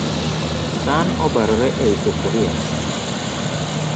San obarore e i sufria